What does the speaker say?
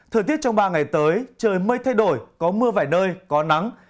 thời tiết trong ba ngày tới trời mây thay đổi có mưa vài nơi có nắng